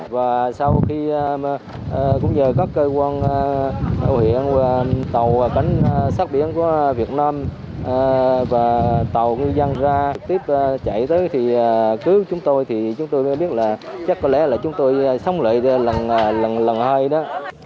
và sau khi cũng nhờ các cơ quan tàu cảnh sát biển của việt nam và tàu ngư dân ra tiếp chạy tới thì cứu chúng tôi thì chúng tôi mới biết là chắc có lẽ là chúng tôi sống lại lần lần hai đó